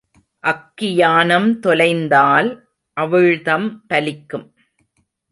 அக்கியானம் தொலைந்தால் அவிழ்தம் பலிக்கும்.